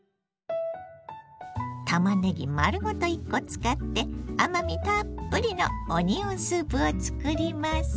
たまねぎ丸ごと１コ使って甘みたっぷりのオニオンスープを作ります。